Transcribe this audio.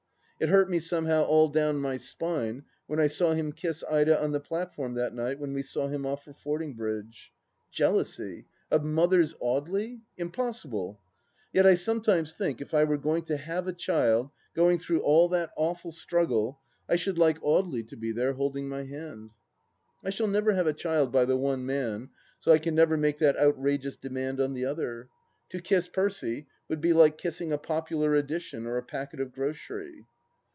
It hurt me somehow all down my spine when I saw him kiss Ida on the platform that night when we saw him off for Fordingbridge. Jealousy — of Mother's Audely ! Impossible I Yet I sometimes think if I were going to have a child, going through all that awful struggle, I should like Audely to be there holding my hand. ... I shall never have a child by the one man, so I can never make that outrageous demand on the other !... To kiss Percy would be like kissing a popular edition or a packet of grocery.